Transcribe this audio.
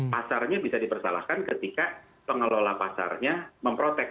pasarnya bisa dipersalahkan ketika pengelola pasarnya memprotek